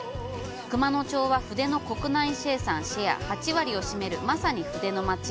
熊野町は、筆の国内生産シェア８割を占める、まさに筆の町。